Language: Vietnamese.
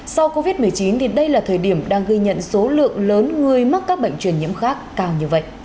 sau covid một mươi chín đây là thời điểm đang ghi nhận số lượng lớn người mắc các bệnh truyền nhiễm khác cao như vậy